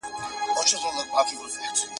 جاله د وینو په دریاب کي چلوم درسره